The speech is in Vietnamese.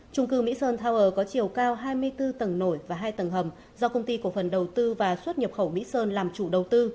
trung cư mỹ sơn tower có chiều cao hai mươi bốn tầng nổi và hai tầng hầm do công ty cổ phần đầu tư và xuất nhập khẩu mỹ sơn làm chủ đầu tư